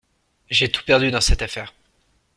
J’ai tout perdu dans cette affaire.